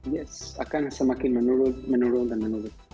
yes akan semakin menurun menurun dan menurun